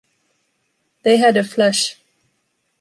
They had a flash.